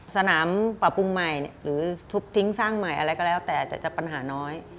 สนามปรับปรุงใหม่หรือทุบทิ้งสร้างใหม่อะไรก็แล้วแต่จะปัญหาน้อย